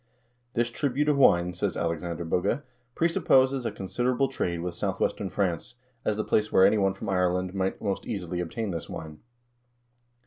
" This tribute of wine," says Alexander Bugge, "presupposes a considerable trade with southwestern France, as the place where any one from Ireland might most easily obtain his wine."